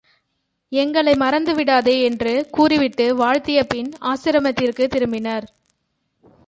எங்களை மறந்துவிடாதே! என்று கூறிவிட்டு வாழ்த்தியபின் ஆசிரமத்திற்குத் திரும்பினர்.